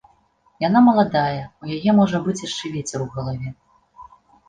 Яна маладая, у яе, можа быць, яшчэ вецер у галаве.